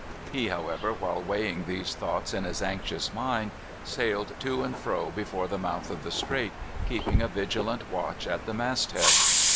He, however, while weighing these thoughts in his anxious mind, sailed to and fro before the mouth of the Strait, keeping a vigilant watch at the mast head.